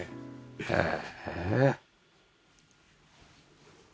へえ。